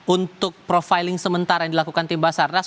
untuk profiling sementara yang dilakukan tim basarnas